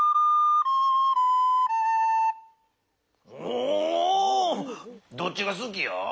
おどっちがすきや？